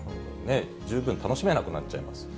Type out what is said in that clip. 十分楽しめなくなっちゃいます。